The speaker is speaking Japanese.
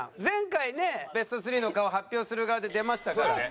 前回ねベスト３の顔発表する側で出ましたから。